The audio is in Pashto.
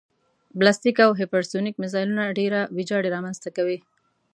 بلاستیک او هیپرسونیک مزایلونه ډېره ویجاړي رامنځته کوي